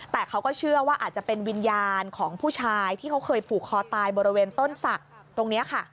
แต่เขาก็เชื่อว่าอาจจะเป็นวิญญาณของผู้ชายที่เขาเคยผูกคอตายบริเวณต้นศักดิ์ตรงนี้ค่ะ